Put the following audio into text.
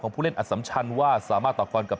ผู้เล่นอสัมชันว่าสามารถต่อพรกับ